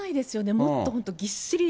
もっと本当、ぎっしり。